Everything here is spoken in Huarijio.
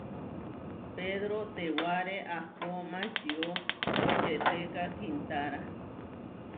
Pedró tewaré ahpó mačió četéka kiintára.